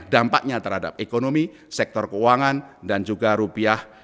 dampaknya terhadap ekonomi sektor keuangan dan juga rupiah